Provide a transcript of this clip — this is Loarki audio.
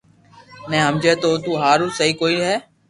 ني ھمجي تو تو ھارون سھي ڪوئي ھي